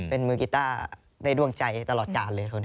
เป็นมือกิต้าในดวงใจตลอดกาลเลย